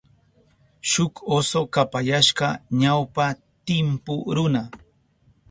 Shuk oso kapayashka ñawpa timpu runa.